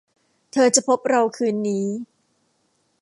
เธอจะพบเราคืนนี้